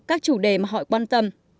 các chủ đề mà họ quan tâm